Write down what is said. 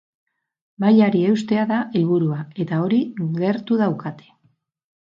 Mailari eustea da helburua, eta hori gertu daukate.